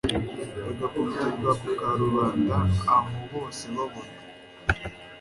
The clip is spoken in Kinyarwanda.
bagakubitirwa ku karubanda aho bose babona